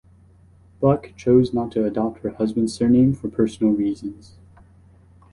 Buck chose not to adopt her husband's surname for personal reasons.